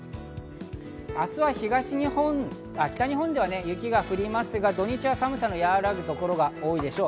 明日は北日本では雪が降りますが、土日は寒さが和らぐ所が多いでしょう。